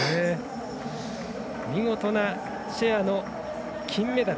見事なシェアの金メダル。